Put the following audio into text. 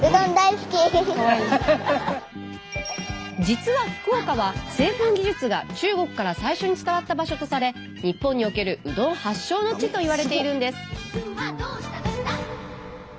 実は福岡は製粉技術が中国から最初に伝わった場所とされ日本におけるうどん発祥の地といわれているんです。